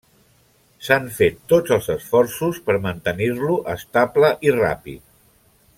S'han fet tots els esforços per mantenir-lo estable i ràpid.